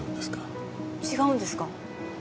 違うんですか！？